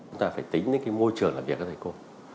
chúng ta phải tính đến cái môi trường làm việc các thầy cô